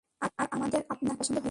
আর আমাদের আপনাকে পছন্দ হয়েছে।